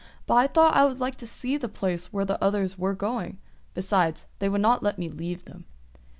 "But I thought I would like to see the place where the others were going; besides, they would not let me leave them."